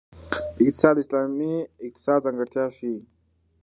اقتصاد د اسلامي اقتصاد ځانګړتیاوې ښيي.